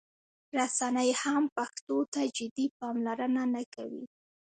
رسنۍ هم پښتو ته جدي پاملرنه نه کوي.